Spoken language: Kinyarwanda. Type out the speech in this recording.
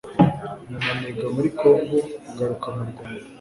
nyuma niga muri Congo ngaruka mu Rwanda